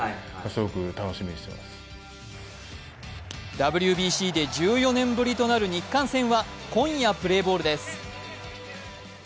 ＷＢＣで１４年ぶりとなる日韓戦は今夜プレーボールです。